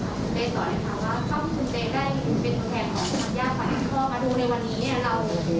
ข้อมูลคุณแต่งได้เป็นแขนของผู้หญ้าฝ่ายที่พ่อมาดูในวันนี้